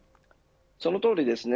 そのとおりですね。